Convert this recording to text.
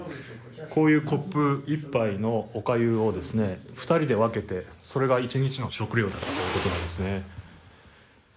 こういうコップ１杯のおかゆを２人で分けてそれが一日の食料だったということなんですね。